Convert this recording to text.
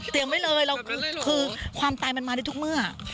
เตรียมไว้เลยความตายมันมาได้ทุกเมื่อ